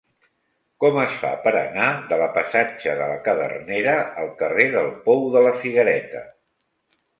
Com es fa per anar de la passatge de la Cadernera al carrer del Pou de la Figuereta?